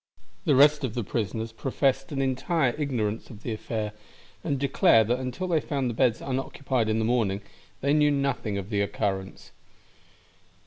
The rest of the prisoners professed an entire ignorance of the affair, and declare that until they found the beds unoccupied in the morning they knew nothing of the occurrence.